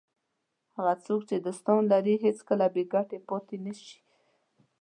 هغه څوک چې دوستان لري هېڅکله بې ګټې پاتې نه شي.